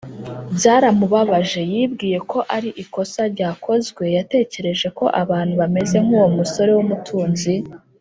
byaramubabaje yibwiye ko ari ikosa ryakozwe yatekereje ko abantu bameze nk’uwo musore w’umutunzi